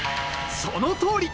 そのとおり！